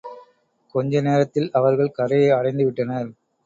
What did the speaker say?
கொஞ்ச நேரத்தில் அவர்கள் கரையை அடைந்துவிட்டனர்.